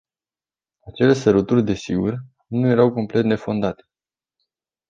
Acele săruturi, desigur, nu erau complet nefondate.